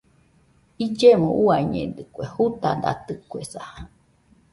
Illemo uiañedɨkue, jutadatɨkuesa.